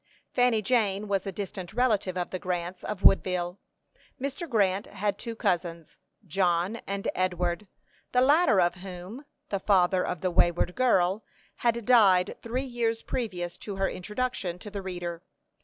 Fanny Jane was a distant relative of the Grants of Woodville. Mr. Grant had two cousins, John and Edward, the latter of whom the father of the wayward girl had died three years previous to her introduction to the reader.